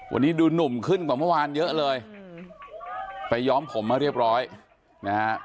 วันนี้ดูหนุ่มขึ้นกว่าเมื่อวานเยอะเลยไปย้อมผมมาเรียบร้อยนะฮะ